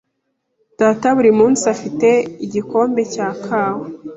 Data buri munsi afite igikombe cya kawa.